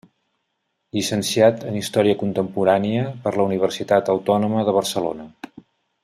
Llicenciat en història contemporània per la Universitat Autònoma de Barcelona.